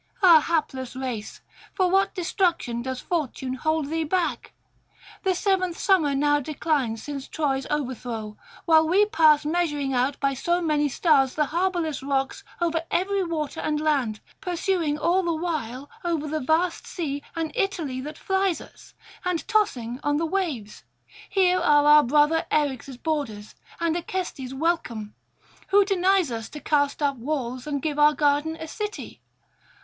ah hapless race, for what destruction does Fortune hold thee back? The [626 660]seventh summer now declines since Troy's overthrow, while we pass measuring out by so many stars the harbourless rocks over every water and land, pursuing all the while over the vast sea an Italy that flies us, and tossing on the waves. Here are our brother Eryx' borders, and Acestes' welcome: who denies us to cast up walls and give our citizens a city?